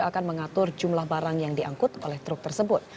akan mengatur jumlah barang yang diangkut oleh truk tersebut